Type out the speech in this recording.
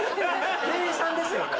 店員さんですよね？